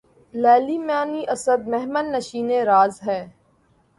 لیلیِ معنی اسد! محمل نشینِ راز ہے